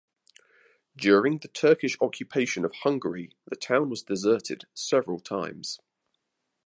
During the Turkish occupation of Hungary the town was deserted several times.